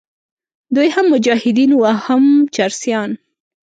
دوی هم مجاهدین وو او هم چرسیان.